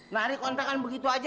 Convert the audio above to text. tarik kontrakan begitu saja